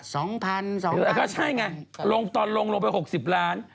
ก็ใช่ไงตอนลงลงไป๖๐ล้าน